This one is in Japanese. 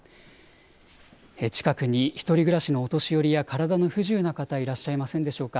近くに１人暮らしのお年寄りや体の不自由な方、いらっしゃいませんでしょうか。